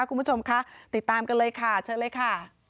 คุณผู้ชมคะติดตามกันเลยค่ะเชิญเลยค่ะ